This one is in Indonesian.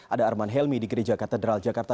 ada arman helmi di gereja katedral jakarta